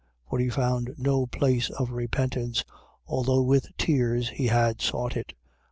For he found no place of repentance, although with tears he had sought it.